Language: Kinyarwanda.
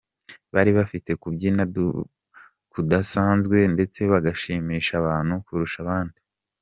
Bari bafite kubyina kudasanzwe ndetse bagashimisha abantu kurusha abandi.